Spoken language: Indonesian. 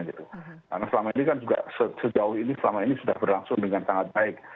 karena selama ini kan juga sejauh ini sudah berlangsung dengan sangat baik